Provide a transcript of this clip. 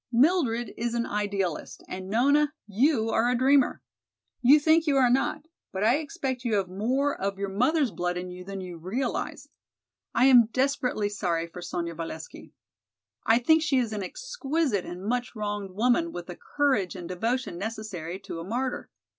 Mildred is an idealist, and Nona, you are a dreamer. You think you are not, but I expect you have more of your mother's blood in you than you realize. I am desperately sorry for Sonya Valesky. I think she is an exquisite and much wronged woman with the courage and devotion necessary to a martyr.